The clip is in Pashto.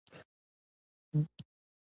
افغانستان قیمتي ډبرو کانونه لري.